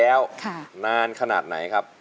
สวัสดีครับ